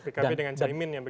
dan juga pkb dengan caimin